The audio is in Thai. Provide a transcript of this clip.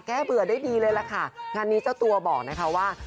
เบื่อได้ดีเลยล่ะค่ะงานนี้เจ้าตัวบอกนะคะว่า